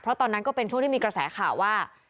เพราะตอนนั้นก็เป็นช่วงที่มีกระแสข่าวว่า